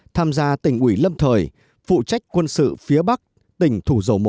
tham gia tỉnh ủy lâm thời phụ trách quân sự phía bắc tỉnh thủ dầu một